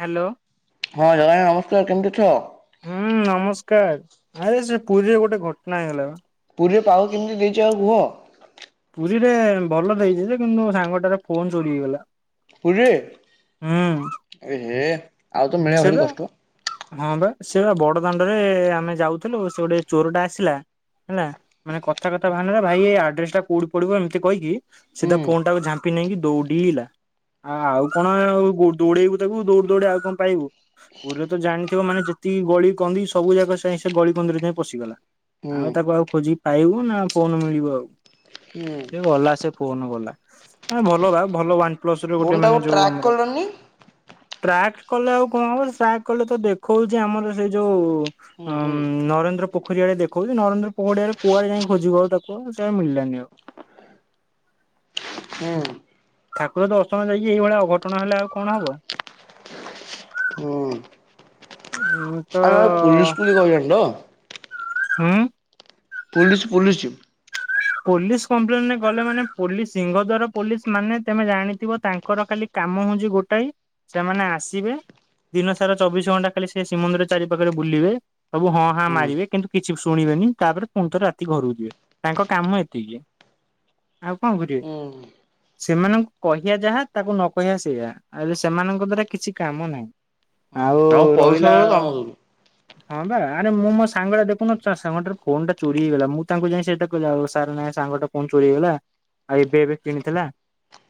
Hello. ହଁ ଜଗା [unintelligible] ନମସ୍କାର କେମିତି ଅଛ? ହୁଁ ନମସ୍କାର୍। ଆରେ ସେ ପୁରୀରେ ଗୋଟେ ଘଟଣା ହେଇଗଲା ବା। ପୁରୀରେ ପାଗ କେମିତି ଦେଇଚ ଆଉ କୁହ? ପୁରୀରେ ଭଲ ଦେଇଚି ଯେ କିନ୍ତୁ ସାଙ୍ଗଟାରେ ଫୋନ ଚୋରି ହେଇଗଲା। ପୁରୀରେ? ହୁଁ ଏହେ ଆଉ ତ ମିଳିବା ସେ ବା ଭାରି କଷ୍ଟ। ହଁ ବା ସେ ବା ବଡ ଦାଣ୍ଡରେ ଆମେ ଯାଉଥିଲୁ ସେ ଗୋଟେ ଚୋରଟା ଆସିଲା ହେଲା। ମାନେ କଥା କଥା ବାହାନଲା ଭାଇ ଏ ଆଡ୍ରେସଟା କୋଉଠି ପଡିବ ଏମିତି କହିକି ହୁଁ ସିଧା ଫୋନଟାକୁ ଝାମ୍ପି ନେଇକି ଦୌଡିଲା। ଆ ଆଉ କଣ ଆଉ ଘୋ ଦୌଡେଇବୁ ତାକୁ ଦୌଡି ଦୌଡି ଆଉ କଣ ପାଇବୁ। ପୁରରେ ତ ଜାଣିଥିବ ମାନେ ଯେତିକି ଗଳି କନ୍ଦି ସବୁ ଜାଗା ସାଇଁ ସେ ଗଳି କନ୍ଦିରେ ଯାଇଁ ପଶିଗଲା। ହୁଁ ଆଉ ତାକୁ ଆଉ ଖୋଜିକି ପାଇବୁ ନା ଫୋନ ମିଳିବ ଆଉ। ହୁଁ ସେ ଗଲା ସେ ଫୋନ ଗଲା। ହଁ ଭଲ ବା ଭଲ [unintelligible] ପ୍ଲସର ଗୋଟେ ଫୋନ୍ ଟାକୁ ମାନେ ଯୋଉ ଟ୍ରାକ୍ ଆମର କଲନି। ଟ୍ରାକ୍ କଲେ ଆଉ କଣ ହବ ଯେ ଟ୍ରାକ୍ କଲେ ତ ଦେଖୁଚି ଆମର ସେଇ ଯୋଉ ହଁ! ହୁଁ ହୁଁ ନରେନ୍ଦ୍ର ପୋଖରୀ ଆଡେ ଦେଖଉଚି ନରେନ୍ଦ୍ର ପୋଖରୀ ଆଡରେ କୁଆଡେ ଯାଇ ଖୋଯିବୁ ଆଉ ତାକୁ ସିଏ ମିଳିଲାନି ଆଉ। ହୁଁ! ଠାକୁର ଦର୍ଶନ ଯାଇକି ଏଇଭଳିଆ ଅଘଟଣ ହେଲେ ଆଉ କଣ ହବ। ଉଁ ହୁ‌! ଆରେ ପୋଲିସ କୁଲି [unintelligible] ନା? ହୁଁ? ପୋଲିସି ପୋଲିସି। ପୋଲିସି କମ୍ପ୍ଲେନରେ ଗଲେ ମାନେ ପୋଲିସ ସିଂହ ଦ୍ୱାର ପୋଲିସମାନେ ତମେ ଜାଣିଥିବ ତାଙ୍କର ଖାଲି କାମ ହଉଛି ଗୋଟାଏ ସେମାନେ ଆସିବେ ଦିନ ସାରା ଚବିଶ୍ ଘଣ୍ଟା ଖାଲି ସେ ଶ୍ରୀମନ୍ଦିର ଚାରି ପାଖରେ ବୁଲିବେ। ସବୁ ହଁ ହା ହୁଁ ମାରିବେ କିନ୍ତୁ କିଛି ଶୁଣିବେନି ତାପରେ ପୁଣିଥରେ ରାତି ଘରକୁ ଯିବେ। ତାଙ୍କ କାମ ଏତିକି ଆଉ କଣ କରିବେ? ହୁଁ ସେମାନଙ୍କୁ କହିବା ଯାହା ତାକୁ ନ କହିବା ସେଇଆ। ଆରେ ସେମାନଙ୍କ ଦ୍ଵାରା କିଛି କାମ ନାହିଁ ଆଉ ଆମ ପଇସା ରହିଲା ବେଳେ କାମ ଦଉନି। ହଁ ବା ଆରେ ମୁଁ ମୋ ସାଙ୍ଗଟା ଦେଖୁନ ଚା ସାଙ୍ଗଟାରୁ ଫୋନ ଟା ଚୋରି ହେଇଗଲା ମୁଁ ତାଙ୍କୁ ଯାଇ ସେଟ କହିଲ ଆଉ ସାର୍ ନାଇଁ ସାଙ୍ଗଟା ଫୋନ୍ ଚୋରି ହେଇଗଲା ଆଉ ଏବେ ଏବେ କିଣିଥିଲା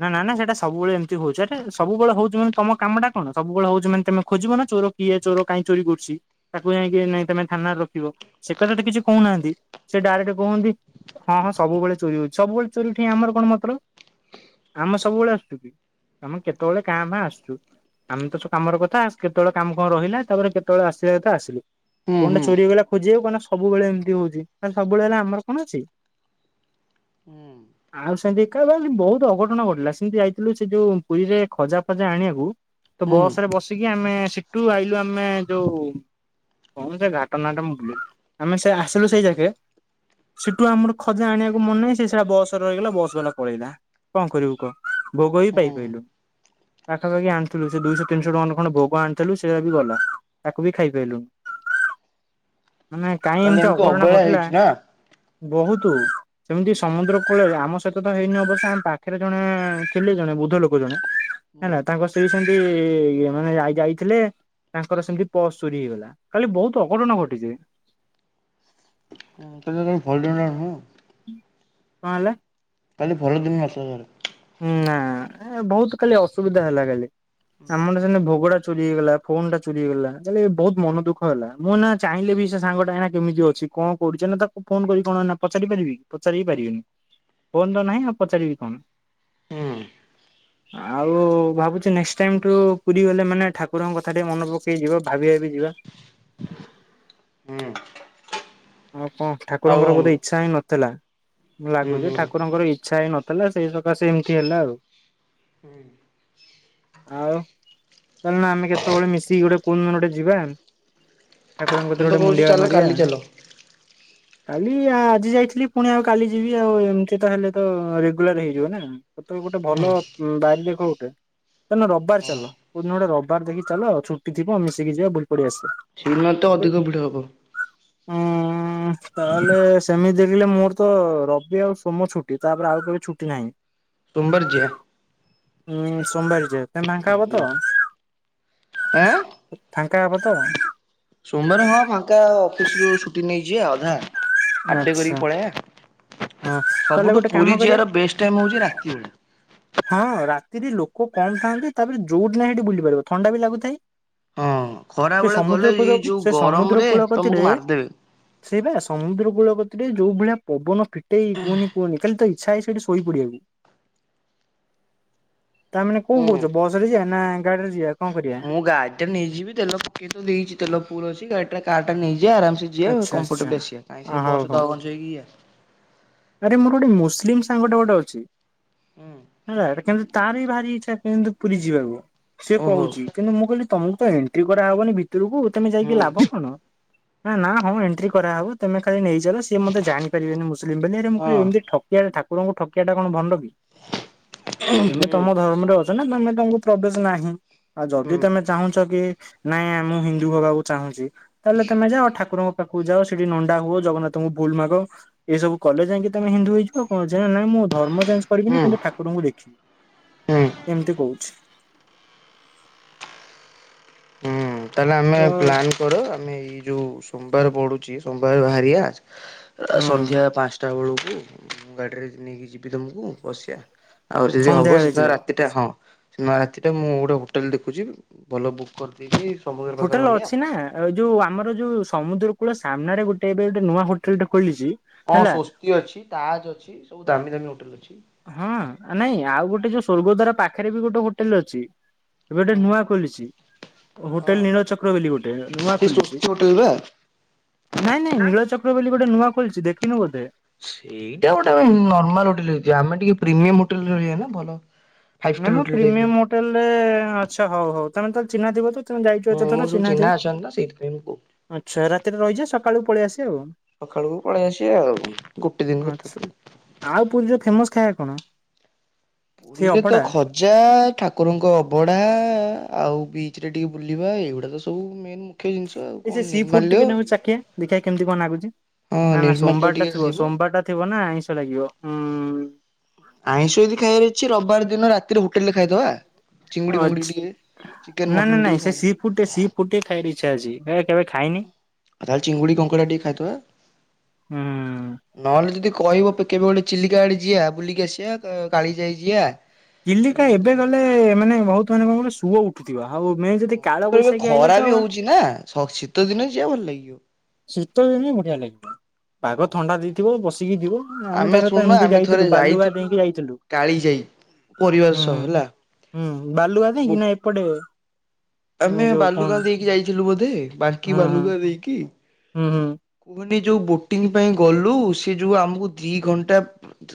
ନା ନା ନା ସେଟା ସବୁବେଳେ ଏମିତି ହଉଛି ଆରେ ସବୁବେଳେ ହଉଛି ମାନ ତମ କାମ ଟା କଣ ସବୁବେଳେ ହଉଛି ମାନେ ତମେ ଖୋଯିବ ନା ଚୋର କିଏ ଚୋର କାହିଁ ଚୋରି କରୁଛି ତାକୁ ଯାଇକି ନାଇଁ ତମେ ଥାନାରେ ରଖିବ ସେ କଥା ତ କିଛି କହୁନାହାନ୍ତି। ସେ ଡାଇରେକ୍ଟ କୁହନ୍ତି ହଁ ହଁ ସବୁବେଳେ ଚୋରି ହଉଛି ସବୁବେଳେ ଚୋରି ଉଠେଇ ଆମର କଣ ମାତଲବ୍? ଆମେ ସବୁବେଳେ ଆସୁଛୁ କି ଆମ କେତେବେଳେ କାଁ ଭାଁ ଆସୁଛୁ? ଆମେ ତ ସବୁ କାମର କଥା କେତେବେଳେ କାମ କଣ ରହିଲା ତାପରେ କେତେବେଳେ ଆସିଲା କେତେ ଆସିଲୁ? ହୁଁ ଫୋନ ଟା ହୁଁ ଚୋରିହୋଇ ଗଲା ଖୋଜିବ କଣ ସବୁଳେ ଏମିତି ହଉଛି ସବୁବେହେଲା ଆମର କଣ ଅଛି? ହୁଁ। ଆଉ ସେମିତି ଏକା ଭାଇ ବହୁତ ଅଘଟଣ ଘଟିଲଥିଲା ସେମିତି ଯାଇଥିଲୁ ସେ ଯୋଉ ପୁରୀରେ ଖଜା ଫଜା ଆଣିବାକୁ ତ ହୁଁ ବସ ରେ ବସିକି ଆମେ ସିଟୁ ଆଇଲୁ ଆମେ ଯୋଉ କଣ ସେ ଘାଟ ନାଁଟା ମୁଁ ବୁଲି ଗଲି ଆମେ ସେ ଆସିଲୁ ସେଇ ଜାଗେ ସେଠୁ ଆମର ଖୋଜା ଆଣିବାକୁ ମନ ନାହିଁ ସେଇଟା ବସରେ ରହିଗଲା ବସ ବାଲା ପଳେଇଲା। କଣ କରିବୁ କହ ଭୋଗ ବି ହୁଁ ପାଇପାରିଲୁ? ପାଖାପାଖି ଆଣିଥିଲୁ ସେ ଦୁଇଶହ ତିନିଶହ ଟଙ୍କା ଖ ଭୋଗ ଆଣିଥିଲୁ ସେଇଟା ବି ଗଲା। ତାକୁ ବି ଖାଇପାରଲୁ ମାନେ କାହିଁ ତାହେଲେ ଏମତି ଏମିତି ଅଘଟଣା ଅବହେଳା ଘଟିଲା? ହେଇଛି ନା। ବହୁତୁ। ସେମିତି ସମୁଦ୍ର କୂଳରେ ଆମ ସହିତ ତ ହେଇନି ଅବଶ୍ୟ ଆମ ପାଖରେ ଜଣେ ଥିଲେ ଜଣେ ବୁଦ୍ଧ ଲୋକ ଜଣେ ହୁଁ ହେଲା ତାଙ୍କ ସ୍ତ୍ରୀ ସେମତି ମାନେ ଯାଇ ଯାଇଥିଲେ ତାଙ୍କର ସେମିତି ପର୍ଶ ଚୋରି ହେଇଗଲା ଖାଲି ବହୁତ ଅଘଟଣ ଘଟିଛି। ତତେ କଣ ଭଲ ଟଣ୍ଡ ନଁ କଣ ହେଲା? କାଲି ଭଲଦିନ ନଥିଲା ତାହେଲେ। ନା ବହୁତ ଖାଲି ଅସୁବିଧା ହେଲା ଖାଲି ଆମରର ସେନ ଭୋଗୁଡା ଚୁରି ହେଇଗଲା ଫୋନ ଟା ଚୁରିଇଗଲା ବହୁତ ମନ ଦୁଃଖ ହେଲା ମୁଁ ନା ଚାହିଁଲେ ବି ସେ ସାଙ୍ଗ ଟା ଏନା କେମିତି ଅଛି କଣ କରୁଛ ନା ତାକୁ ଫୋନ କରି କଣ ନା ପଚାରି ପାରିବି ପଚାରି ପାରିବିନି। ଫୋନ ତ ନାହିଁ ଆଁ ପଚାରିବି କଣ? ହୁଁ ହୁଁ ଆଉ ଭାବୁଛି ନେକ୍ସଟ ଟାଇମଠୁ ପୁରୀ ଗଲେ ମାନେ ଠାକୁରଙ୍କ କଥା ଟିକେ ମନେ ପକେଇ ଯିବା ଭାବିି ଭାବି ଯିବା। ହୁଁ। ହଉ କଣ ଠାକୁରଙ୍କର ବୋଧେ ଆଉ ଇଚ୍ଛା ହିଁ ନଥିଲା। ହୁଁ ଲାଗୁଛି ହୁଁ ଠାକୁରଙ୍କର ଇଚ୍ଛା ହିଁ ନଥିଲା ସେଇ ସକାଶେ ଏମିତି ହେଲା ଆଉ। ହୁଁ। ଆଉ ଚାଲୁନ ଆମେ କେତେବେଳେ ମିଶିକି ଗୋଟେ କଉ ଦିନ ଗୋଟେ ଯିବା ଠାକୁରଙ୍କ ମୁଁ କତିରେ ତ ଗୋଟେ କହୁଛି ମୁଣ୍ଡିଆ ଚାଲ ମାରିବା। କାଲି ଚାଲ। କାଲି ଆଜି ଯାଇଥିଲି ପୁଣି ଆଉ କାଲି ଯିବି ଆଉ ଏମିତି ତ ହେଲେ ତ ରେଗୁଲାର ହେଇଯିବ ନା। ତ ତେ ଗୋଟେ ଭଲ ବାରି ଦେଖ ଗୋଟେ। ତାେ ରବିବାର ଚାଲ କୋଉ ଦିନ ଗୋଟେ ରବିବାର ଦେଖି ଚାଲ ଆଉ ଛୁଟି ଥିବ ଆ ମିଶିକି ଯିବା ବୁଲ ପଡି ଆସିବା। ସେହିଦିନ ତ ଅଧିକ ଭିଡ଼ ହେବ। ହଁ ତାହେଲେ ସେମିତି ଦେଖିଲେ ମୋର ତ ରବି ଆଉ ସୋମ ଛୁଟି ତାପରେ ଆଉ କେବେ ଛୁଟି ନାହିଁ? ସୋମବାରେ ଯିବା। ହୁଁ ସୋମବାରରେ ଯିବା ତମେ ଫାଙ୍କା ହବ ତ? ଆଁ ଫାଙ୍କ ହେବା ତ? ସୋମବାର ହଁ ଫାଙ୍କା ଅଫିସରୁୁ ଛୁଟି ନେଇଯିବା ଅଧା। ଆଟେ ଆଚ୍ଛା। କରିକି ପଳେଇବା ହଁ ତାହେଲେ ସବୁଠୁ ଗୋଟେ କାମ ପୁରୀ କରିବା ଯିବାର ବେଷ୍ଟ ଟାଇ ହଉଛି ରାତି ଓଳି ହଁ ରାତିରେ ଲୋକ କମ ଥାନ୍ତି ତାପରେ ଯୁଉଠି ନାହିଁ ସେଠି ବୁଲି ପାରିବ ଥଣ୍ଡା ବି ଲାଗୁଥାଏ। ହଁ ଖରା ସେ ବେଳେ ଗଲେ ସମୁଦ୍ର ଏଇ କୂଳ ଯୋଉ ସେ ସମୁଦ୍ର ଗରମରେ ତମକୁ କୂଳପତିରେ ମାରିଦେବେ। ସେଇ ବା ସମୁଦ୍ର କୂଳ ଗତିରେ ଯୋଉ ଭଳିଆ ପବନ ଫିଟେଇ କୁହନି କୁହନି ଖାଲି ତ ଇଚ୍ଛା ହେଇ ସେଇଠି ସୋ ଶୋଇପଡ଼ିବାକୁ। ତା ମାନେ କ ହୁଁ। କହୁଛ ବସ ରେ ଯିବା ନା ଗାଡି ରେ ଯିବା। କଣ କରିବା ମୁଁ ଗାଡି ଟା ନେଇଯିବି ତେଲ ପକେଇ ତ ଦେଇଛି ତେଲ ଫୁଲ ଅଛି ଗାଡି ଟା କାର ଟା ନେଇଯିବା ଆରାମସେ ଯିବା ଆଚ୍ଛା ଆଚ୍ଛା। କମ୍ଫର୍ଟେବଲ ଆସିବା କାଇଁ ସେ ହଉ ବସ ହଉ ଦହ ଗେଞ୍ଜ ହେଇକି ଯିବା ଆରେ ମୋର ଗୋଟେ ମୁସଲିମ ସାଙ୍ଗଟେ ଗୋଟେ ଅଛି ହେଲା କିନ୍ତୁ ତାର ବି ଭାରି ଇଛା କିନ୍ତୁ ପୁରୀ ଯିବାକୁ ସିଏ ଓହୋ କହୁଛି କିନ୍ତୁ ମୁଁ କହିଲି ତମକୁ ତ ଏଣ୍ଟ୍ରି କରାହବନି ଭିତରକୁ ତମେ ଯାଇକି ଲାଭ ହଁ କଣ? ନା ହଁ ଏଣ୍ଟ୍ରି କରାହବ ତମେ ଖାଲି ନେଇଚାଲ ସିଏ ମତେ ଜାଣି ପାରିବନି ମୁଲିମ୍ ବୋଲି ମୁଁ କହିଲି ଏମିତି ଠ କିଆଣି ଠାକୁରଙ୍କୁ ଠକିବା ଟା କଣ ଭଣ୍ଡ କି ତମେ ହୁଁ ତମ ଧର୍ମରେ ଅ ନା ତମେ ତମଙ୍କୁ ପ୍ରବେଶ ନାହିଁ ଆଉ ଯଦି ହୁଁ। ତମେ ଚାହୁଁଛ କି ନାଇଁ ମୁଁ ହିନ୍ଦୁ ହବାକୁ ଚାହୁଁଛି ତାହେଲେ ତମେ ଯାଅ ଠାକୁରଙ୍କ ପାଖକୁ ଯାଅ ସେଠି ନଣ୍ଡା ହୁଅ ଜଗନ୍ନାଥଙ୍କୁ ଭୁଲ ମାଗ। ଏସବୁ କଲେ ଯାଇକି ତମେ ହିନ୍ଦୁ ହୋଇଯିବ କଣ ନାଇ ମୁଁ ଧର୍ମ ଚେଞ୍ଜ କରିବିନି ହୁଁ କିନ୍ତୁ ଠା କୁରଙ୍କୁ ହୁଁ। ଦେଖିବି ଏମିତି କହୁଛି। ହୁଁ ତାହେଲେ ତ ଆମେ ପ୍ଲାନ୍ କର ଆମେ ଏଇ ଯୋଉ ସୋମବାର ପଡୁଛି ସୋମବାର ବାହାରିବା ଆ ହୁଁ ସନ୍ଧ୍ୟା ପାଞ୍ଚଟା ବେଳକୁ ମୁଁ ଗାଡିରେ ନେଇକି ଯିବି ତମକୁ ବସିବା ଆଉ ଯଦି ହବ ସନ୍ଧ୍ୟାବେଳେ ସେଦିନ ଯିବା। ରାତି ହଁ ସେ ନ ରାତି ଟା ମୁଁ ଗୋଟେ ହୋଟେଲ ଦେଖୁଛି ଭଲ ବୁକ୍ କରିଦେଇଛିି ହୋଟେଲ ଅଛି ନା। ଆଉ ଯୋଉ ଆମର ଯୋଉ ସମୁଦ୍ର କୂଳ ସାମ୍ନାରେ ଗୋଟେ ଏବେ ଗୋଟେ ନୂଆ ହୋଟେଲଟେ ଖୋଲିଛି। ହଁ ହେଲା ସ୍ଵସ୍ତି ଅଛି ତାଜ ଅଛି ସବୁ ଦାମୀ ଦାମୀ ହୋଟେଲ ଅଛି। ହଁ ନାଇଁ ଆଉ ଗୋଟେ ଯୋଉ ସ୍ଵର୍ଗଦ୍ଵାରା ପାଖରେ ବି ଗୋଟେ ହୋଟେଲ ଅଛି। ଏବେ ଗୋଟେ ହଁ। ନୂଆ ଖୋଲିଛି ହଁ ହୋଟେଲ ନୀଳଚକ୍ର ବୋଲି ଗୋଟେ ନୂଆ ସେ ସ୍ୱସ୍ତି ଖୋଲିଛି। ହୋଟେଲ ବା। ନାଇଁ ନାଇଁ ନୀଳଚକ୍ର ବୋଲି ଗୋଟେ ନୂଆ ଖୋଲିଛି ଦେଖିନୁ ବୋଧେ? ସେଇଟା ଗୋଟେ ନର୍ମାଲ ହୋଟେଲ ନରମାଲ୍ ହୋଟେଲ ହେଇଥିବା ଆମେ ଟିକେ ପ୍ରିମିୟମ ହୋଟେଲ ରହିବା ନା ଭଲ ଫାଇଭ୍ ନାଇଁ ଷ୍ଟାର ମୋ ହୋଟେଲ ଟାଇପର। ପ୍ରିମିୟମ ହୋଟେଲ ରେ ଆଛା ହଉ ହଉ ତମେ ତାହେଲେ ଚିହ୍ନାଥିବ ତ? ତମେ ଯାଇଛ ହୁଁ ଏତଥର ମୋର ସବୁ ଚିହ୍ନା ଅଛନ୍ତି ନା ସେଇଥିପାଇଁ ମୁଁ କହୁଥିଲି। ଥିବ ଆଚ୍ଛା ରାତିରେ ରହିଯିବା ସକାଳୁ ପଳେଇ ଆସିବ ଆଉ। ସକାଳକୁ ପଳେଇ ଆସିବା ଆଉ ଗୋଟେ ଦିନ କଥା ଆଚ୍ଛା ତ। ଆଉ ପୁରି ର ଫେମସ ଖାଇବା କଣ? ସେ ପୁରୀରେ ତ ଅଭଡା ଖ ଯେଏ ଠାକୁରଙ୍କ ଅବଢା ଆଉ ବିଚ ରେ ଟିକେ ବୁଲିବା ଏଇଗୁଡା ତ ସବୁ ମେନ ମୁଁ କ୍ଷ ଜିନିଷ ଆଉ। ଏଇ କଣ ସେ ସି ଫୁଡ ନିର୍ମାଲ୍ୟ ଟିକେ ଚଖିଆ ଦେଖିଆ କେମିତି କଣ ଲାଗୁଛି? ହଁ ନା ନା ନିର୍ମାଲ୍ୟ ସୋମବାର ଟା ଟିକେ ଥିବ ଖାଇବ। ସୋମବାର ଟା ଥିବ ନା ଆଇଁଷ ଲାଗିବ ହୁଁ। ଆଇଁଷ ଯଦି ଖାଇବାର ଅଛି ରବିବାର ଦିନ ରାତିରେ ହୋଟେଲ ରେ ଖାଇଦବା। ଚିଙ୍ଗୁଡି ବୁଙ୍ଗୁଡି ଟିକେ ଚିକେନ ମଟନ ଟିକେ ଖାଇଦେବା। ଫୁଟେ ସି ଫୁଟେ ଖାଇବି ଇଛା ଅଛି। ହେ କେବେ ଖାଇନି। ଆଉ ତାହେଲେ ଚିଙ୍ଗୁଡ଼ି କଙ୍କଡ଼ା ଟିକେ ଖାଇଦବା। ହୁଁ। ନହେଲେ ଯଦି କହିବ କେବେ ଗୋଟେ ଚିଲିକା ଆଡେ ଯିଆ ବୁଲିକି ଆସିବା କାଳି ଯାଇ ଯିଆ। ଚିଲିକା ଏବେ ଗଲେ ମାନେ ବୋହୁତ ମାନେ କଣ କହିଲୁ ସୁଅ ଉଠୁଥିବ ଆଉ ମେଁ ଜେତିକ୍ [unintelligible] ଏ ଖରା ବି ହୋଉଚି ନା ଶୀତ ଦିନେ ଯିବା ବୁଲି। ଶୀତ ଦିନେ ବଢିଆ ଲାଗିବ ପାଗ ହଉ ଥଣ୍ଡା ଦେଇଥିବ ବସିକି ଜିବୁ। ଆମେ ଥରେ ତ ଶୁଣୁନ ଏମିତି ଆମେ ଥରେ ଯାଇଥିଲୁ ବାଲୁଗା ଯାଇଥିଲୁ ଡେଇଁକି ଯାଇଥିଲୁ। କାଳିଜାଇ ପରିବାର ସହ ହେଲା ହୁଁ ବାଲୁଗା ଦେଇକି ନା ଏପଟେ? ଆମେ ଯୋଉ କଣ ବାଲୁଗାଁ ଦେଇକି ଯାଇଥିଲୁ ବୋଧେ ବାଙ୍କି ହୁଁ ହୁଁ ବାଲୁଗାଁ ଦେଇକି। ହୁଁ କୁହନି ଯୋଉ ବୋଟିଂ ପାଇଁ ଗଲୁ ସେ ଯୋଉ ଆମକୁ ଦି ଘଣ୍ଟା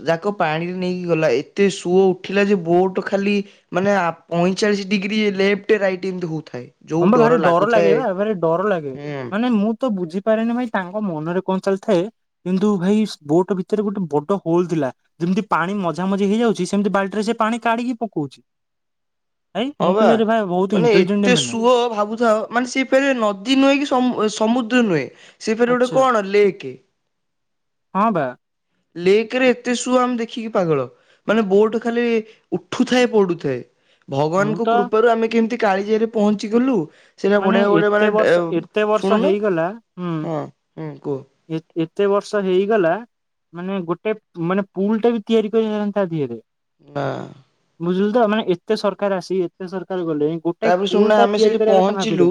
ଯାକ ପାଣିରେ ନେଇକି ଗଲା ଏତେ ସୁଅ ଉଠିଲା ଯେ ବୋଟ ଖାଲି ମାନେ ପଇଁଚାଳିଶ ଡିଗ୍ରୀ ଲେପ୍ଟ ରାଇଟ ଏମତି ହୋ ଉଥାଏ। ହଁ ବା ଭାରି ଡର ଲାଗେ ବା ଭାରି ଡର ଲାଗେ ହୁଁ ମାନେ ମୁଁ ତ ବୁଝିପାରେନି ଭାଇ ତାଙ୍କ ମନରେ କଣ ଚାଲିଥାଏ? କିନ୍ତୁ ଭାଇ ବୋଟ ଭିତରେ ଗୋଟେ ବଡ ହୋଲ ଥିଲା। ଯେମିତି ପାଣି ମଝାମଝି ହେଇଯାଉଚି ସେମିତି ବାଲ୍ଟି ରେ ସେ ପାଣି କାଢିକି ପକଉଚି। ହଁ ବା ମାନେ ଇଣ୍ଟେଲିଜେଣ୍ଟ ଏତେ ଏମାନେ ସୁଅ ଭାବୁଥାଅ ମାନେ ସେ ଫେରେ ନଦୀ ନୁହେଁ କି ସମୁଦ୍ର ନୁହେଁ ସେ ଫେରେ ଗୋଟେ ଆଚ୍ଛା କଣ ଲେକ୍। ହଁ ବା। ଲେକ୍ ରେ ଏତେ ସୁୁଅ ଆମେ ଦେଖ ଦେଖିକି ପାଗଳ ମାନେ ବୋଟ ଖାଲି ଉଠୁଥାଏ ପଡୁଥାଏ। ମୁଁ ଭଗବାନଙ୍କ ତ କୃପାରୁ ଆମେ କେମିତି କାଳିଯାଇରେ ପହଞ୍ଚି ଗଲୁ। ସେଇଟା ମାନେ ବଢିଆ ଗୋଟେ ଏତେ ଏ ବର୍ଷ ଏତେ ବର୍ଷ ଶୁଣୁନ ହେଇଗଲା ହଁ ହୁଁ କୁହ ଏତେ ବର୍ଷ ହେଇଗଲା ମାନେ ଗୋଟେ ମାନେ ପୁଲ ଟା ବି ତିଆରି କରିହେଲାନି ତା ଦିହେରେ। ନା ବୁଝୁିଲୁ ତ ମାନେ ଏତେ ସରକାର ଆସି ଏତେ ସରକାର ଗଲେ ତାପରେ ଶୁଣୁନା ଆମେ ସେଇଠି ପହଞ୍ଚିଲୁ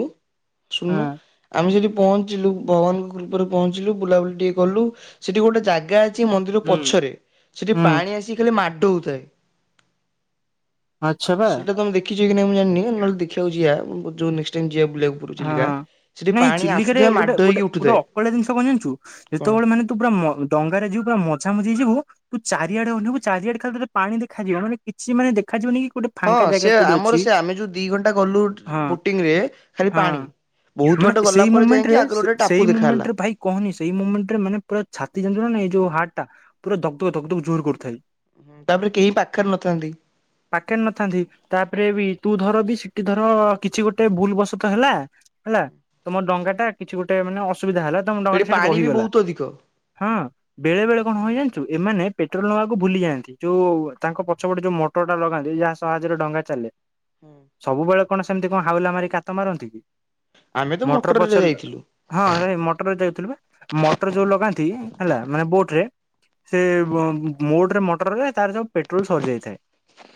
ହଁ ଶୁଣୁନୁ। ଆମେ ସେଠି ପହଞ୍ଚିଲୁ ଭଗବାନଙ୍କ କୃପାରେ ପହଞ୍ଚିଲୁ ବୁଲାବୁଲି ଟିକେ କଲୁ ସେଠି ଗୋଟେ ଜାଗା ଅ [unintelligible] ମନ୍ଦିର ହୁଁ ପଛରେ ସେଠି ହୁଁ ପାଣି ଆସିିକି ଖାଲି ମାଡ ହୋଉଥାଏ। ଆଚ୍ଛା ବା ସେଇଟା ତମେ ଦେଖିଚ କି ନାଇଁ ମୁଁ ଜାଣିନି ନହେଲେ ଦେଖିବାକୁ ଯିବା ଜୋଉ ନେଷ୍ଟେ ଟାଇମ୍ ଯିବା ବୁଲି ବାକୁ। ହଁ ନାଇଁ ଚିଲିକାରେ ଗୋଟେ ମାଡ଼ ଗୋଟେ ହେଇକି ଗୋଟେ ଉଠୁଥାଏ ଅକଳିଆ ଜିନିଷ କ ଜାଣିଚୁ କଣ? ଯେତେବଳେ ମାନେ ତୁ ପୁରା ଡ଼ଙ୍ଗାରେ ଯିବୁ ପୁରା ମଜାମଜି କି ଯିବୁ ତୁ ଚାରିଆଡେ ଅନେଇବୁ ଚାରିଆଡେ ଖାଲି ତତେ ପାଣି ଦେଖାଯିବ ମାନେ କିଛି ମାନେ ଦେଖାଯିବନି କି ଗୋଟେ ହଁ ଫାଙ୍କା ଜାଗା ସେ କୋଉଠି ଅଛି ଆମର ସେ ଆମେ ଯୋଉ ଦି ଘଣ୍ଟା ଗଲୁ ହଁ ବୋଟିଂ ରେ ଖାଲି ପାଣି। ବହୁତ ହଁ ମାନେ ବାଟ ଗଲା ସେଇ ପରେ ଯାଇକି ମୁମେଣ୍ଟରେ ଆଗରେ ଗୋଟେ ଟାପୁ ସେଇ ଦେଖାହେଲା। ମୁମେଣ୍ଟରେ ଭାଇ କହନି ସେଇ ମୁମେଣ୍ଟରେ ମାନେ ପୁରା ଛାତି ଜାଣିଚୁ ନା ନାଇଁ ଯୋଉ ହାର୍ଟଟା ପୁରା ଦକ୍ ଦକ୍ ଦକ୍ ଦକ ଜୋର କରୁଥାଏ। ହୁଁ ତାପରେ କେହି ପାଖରେ ନଥାନ୍ତି। ପାଖେରେ ନଥାନ୍ତି ତାପରେ ବି ତୁ ଧର ବି ସେଠି ଧର କିଛି ଗୋଟେ ଭୁଲ ବସ ତ ହେଲା ହେଲା ତମ ଡଙ୍ଗା ଟା କିଛି ଗୋଟେ ମାନେ ଅ ସୁବିଧା ହେଲା ତ ଡ଼ଙ୍ଗାଟା ସେଠି ପାଣି ବି ରହିଗଲା ବହୁତ ଅଧିକ। ହଁ ବେଳେ ବେଳେ କଣ ହୁଏଯାଣିଚୁ ଏମାନେ ପେଟ୍ରୋଲ ନେବାକୁ ଭୁଲି ଯାଆନ୍ତି ଯୋଉ ତାଙ୍କ ପଛପଟେ ଯୋଉ ଟୋଟା ଲଗାନ୍ତି ଯାହା ସାହାଯ୍ୟରେ ଡଙ୍ଗା ଚାଲେ। ହୁଁ। ସବୁବେଳେ କଣ ସେମିତି କଣ ହାଉଲା ମାରି କାତ ମାରନ୍ତି କି ଆମେ ତ ମଟର ମୋଟରରେ ପଚର ଯାଇଥିଲୁ। ହଁ ନାଁ ମଟର ଯାଉଥିଲ ବା ମଟର ଯୋଉ ଲଗାନ୍ତି ହେଲା ମାନେ ବୋଟ ରେ ସେ ମୋଟରେ ମଟରରେ ତାର ସବୁ ପେଟ୍ରୋଲ ସରି ଯାଇଥାଏ।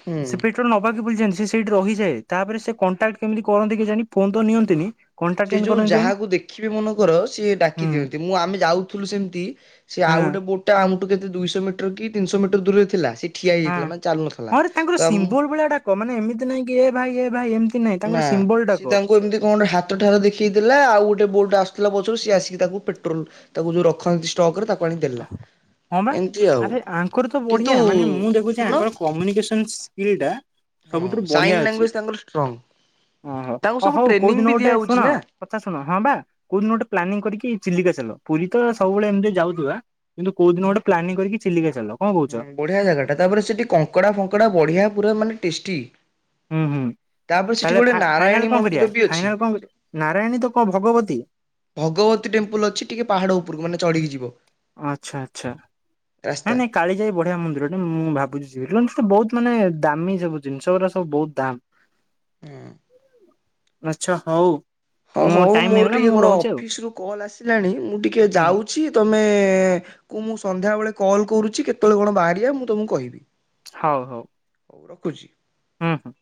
ହୁଁ ସେ ପେଟ୍ରୋଲ ନବାକି ବୁଲଯାନିଚି ସେଇଠି ରହିଯାଏ। ତାପରେ ସେ କଣ୍ଟାକ୍ଟ କେମିତି କରନ୍ତି କେ ଜାଣି। ଫୋନ ତ ନିଅନ୍ତିନି। କଣ୍ଟାକ୍ଟ ସେ କେମିତି ଯୋଉ କରନ୍ତି କେଜାଣି ଯାହାକୁ ଦେଖିବି ମନ କର ସିଏ ହୁଁ ଡାକି ଦିଅନ୍ତି ମୁଁ ଆମେ ଯାଉଥିଲୁ ସେମିତି ସେ ଆଉ ହଁ ଗୋ ବୋଟା ଆମଠୁ କେତେ ଦିଶ ମିଟର କି ତିନିଶ ମିଟର ଦୂର ଥିଲା ସେ ଠିଆ ହଁ ହେଯାଇଥିଲା ମାନେ ଚାଲୁ ନଥିଲା ତ କ ମାନେ ଏମିତି ନାଇଁ କି ଏ ଭାଇ ଏ ଭାଇ ଏମତି ନା ସିଏ ତାଙ୍କୁ ଏମିତି କଣ ହାତ ହାତ ଠାରେ ଦେଖିେଇଥିଲା ଆଉ ଗୋଟେ ବୋଟ ଆସୁଥିଲା ପଛରୁ ସିଏ ଆସିକି ତାକୁ ପେଟ୍ରୋଲ ତାକୁ ଯୋଉ ରଖନ୍ତି। ଷ୍ଟକରେ ତାକୁ ଆଣି ଦେଲା ହଁ ବା ଏମିତି ଆଉ ଆରେ କିନ୍ତୁ ଶୁଣୁନ କମ୍ୟୁନିକେସନ୍ ସ୍କିଲ୍ ଟା ହଁ ସବୁଥୁରୁ ବଢିଆ ସାଇନ ଅଛି ଲାଙ୍ଗୁଏଜ ତାଙ୍କର ଷ୍ଟ୍ରଙ୍ଗ ଓହୋ ତାଙ୍କୁ ହଁ ସବୁ ହଉ କୋଉ ଟ୍ରେନିଂ ଦିନ ବି ଦିଆ ଗୋଟେ ହଉଛି ଶୁଣ ନା। କଥା ଶୁଣ ହଁ ବା କୋଉ ଦିନ ଗୋଟେ ପ୍ଲାନିଂ କରିକି ଚିଲିକା ଚାଲ ପୁରୀ ତ ସବୁବେଳେ ଏମିତି ଯାଉଥିବା। କିନ୍ତୁ କୋଉ ଦିନ ଗୋଟେ ପ୍ଲାନିଂ କରିକି ଚିଲିକା ଚାଲ କଣ କହୁଚ। ବଢ଼ିଆ ଜାଗାଟା ତାପରେ ସେଠି କଙ୍କଡ଼ା, ଫଙ୍କଡ଼ା ବଢିଆ ପୁରା ମାନେ ଟେଷ୍ଟି। ହୁଁ, ହୁଁ ତାପରେ ସେଠି ତାହେଲେ ଗୋଟେ ନାରାୟଣୀ ଫାଇନାଲ କଣ ମନ୍ଦିର କରିବା ବି ଅଛି। ଫାଇନାଲ କଣ କରିବା ନାରାୟଣୀ ତ କଣ ଭଗବତୀ‌ ଭଗବତୀ ଟେମ୍ପଲ୍ ଅଛି ଟିକେ ପାହାଡ଼ ଉପରକୁ ମାନେ ଚଢିକି ଯିବ। ଆଚ୍ଛା, ଆଚ୍ଛା ନାଁ, ରାସ୍ତା। ନାଁ। କାଳିଜାଇ ବଢ଼ିଆ ମନ୍ଦିରଟେ ମୁଁ ଭାବୁଛି ଯିବି ସେଟ ତ ବହୁତ ମାନେ ଦାମୀ ସବୁିଜିନିଷ ଗୁଡା ବହୁତ ଦାମ। ହଁ। ଆଚ୍ଛା ହଉ। ହଁ ମୁଁ ହଉ ଟାଇମ ମୋର ହେଇଗଲା ଟିକେ ମୁଁ କଣ ରହୁଛି ଆଉ ଅଫିସ ରୁ କଲ୍ ଆସିଲାଣି ମୁଁ ଟିକେ ହୁଁ ଯାଉ ସି ତମେ କୁ ମୁଁ ସନ୍ଧ୍ୟାବେଳେ କଲ୍ କରୁଚି। କେତେବେଳେ କଣ ବାହାରିବା ମୁଁ ତମକୁ କହିବି। ହଉ, ହଉ। ହଉ ରଖୁଚି। ହୁଁ, ହୁଁ।